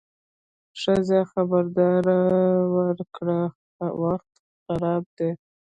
ښځه خبرداری ورکړ: وخت خراب دی.